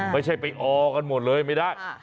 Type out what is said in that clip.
ไม่ใช่ไปออกันหมดเลยไม่ได้